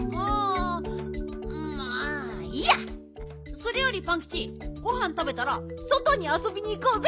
それよりパンキチごはんたべたらそとにあそびにいこうぜ！